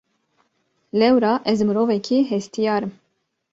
Lewra ez mirovekî hestiyar im.